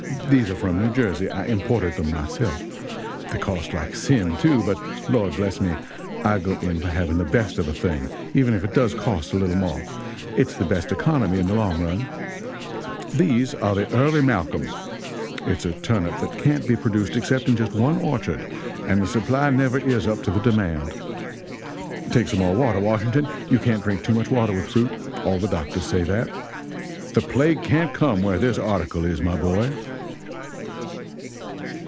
These are from New Jersey I imported them myself. They cost like sin, too; but lord bless me, I go in for having the best of a thing, even if it does cost a little more it's the best economy, in the long run. These are the Early Malcolm it's a turnip that can't be produced except in just one orchard, and the supply never is up to the demand. Take some more water, Washington you can't drink too much water with fruit all the doctors say that. The plague can't come where this article is, my boy!"